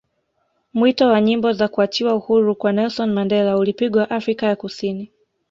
mwito wa nyimbo za kuachiwa huru kwa Nelson Mandela ulipigwa Afrika ya kusini